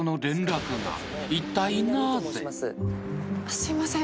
すいません。